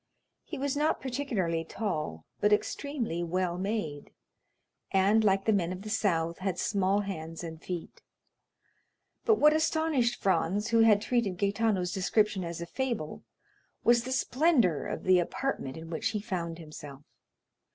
He was not particularly tall, but extremely well made, and, like the men of the South, had small hands and feet. But what astonished Franz, who had treated Gaetano's description as a fable, was the splendor of the apartment in which he found himself.